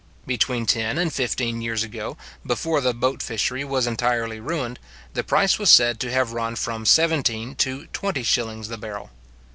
Between ten and fifteen years ago, before the boat fishery was entirely ruined, the price was said to have run from seventeen to twenty shillings the barrel.